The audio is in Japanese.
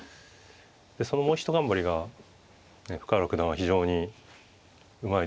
そのもう一頑張りが深浦九段は非常にうまいというか。